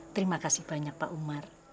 terima kasih banyak pak umar